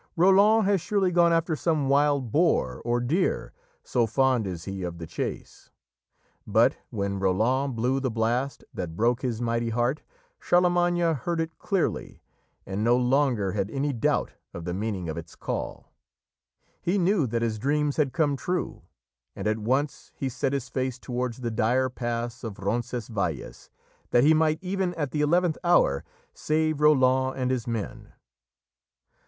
"Roland has surely gone after some wild boar or deer, so fond is he of the chase." But when Roland blew the blast that broke his mighty heart, Charlemagne heard it clearly, and no longer had any doubt of the meaning of its call. He knew that his dreams had come true, and at once he set his face towards the dire pass of Roncesvalles that he might, even at the eleventh hour, save Roland and his men.